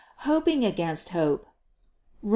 Hoping against hope (Rom.